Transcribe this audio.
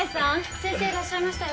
先生いらっしゃいましたよ。